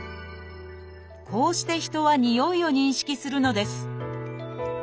こうして人はにおいを認識するのです